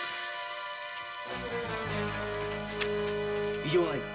異状はないか？